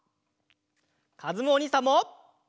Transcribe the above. かずむおにいさんも。